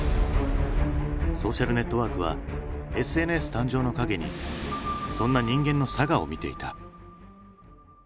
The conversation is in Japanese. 「ソーシャル・ネットワーク」はＳＮＳ誕生の陰にそんな人間の性を見ていた。